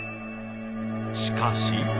しかし！